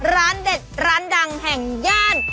ร้านเด็ดร้านดังแห่งย่าน